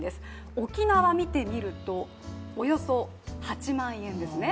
沖縄見てみると、およそ８万円ですね。